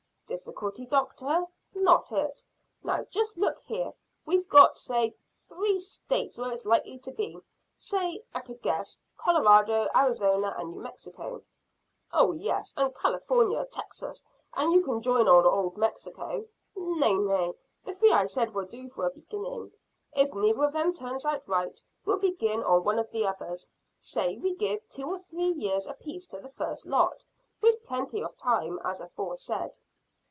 "Difficulty, doctor? Not it. Now, just look here. We've got, say, three States where it's likely to be. Say, at a guess, Colorado, Arizona, and New Mexico." "Oh yes, and California, Texas, and you can join on Old Mexico." "Nay, nay; the three I said will do for a beginning. If neither of them turns out right we'll begin on one of the others. Say, we give two or three years apiece to the first lot. We've plenty of time, as aforesaid."